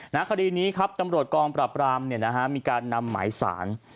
ในคดีนี้ครับตำรวจกองประปรามมีการนำหมายสาร